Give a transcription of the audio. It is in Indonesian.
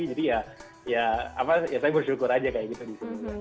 jadi ya saya bersyukur aja kayak gitu di sini